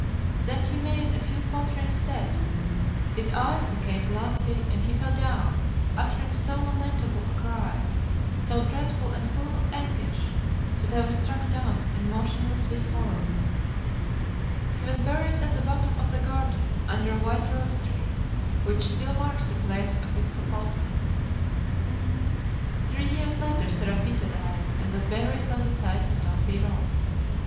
Then he made a few faltering steps, his eyes became glassy, and he fell down, uttering so lamentable a cry, so dreadful and full of anguish, that I was struck dumb and motionless with horror. He was buried at the bottom of the garden under a white rose tree, which still marks the place of his sepulture. Three years later Seraphita died, and was buried by the side of Don Pierrot.